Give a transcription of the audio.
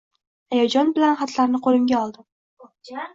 Hayajon bilan xatlarni qoʻlimga oldim.